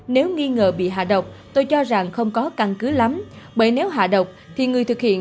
nếu nghi ngờ bị hạ độc tôi cho rằng không có căn cứ lắm bởi nếu hạ độc thì người thực hiện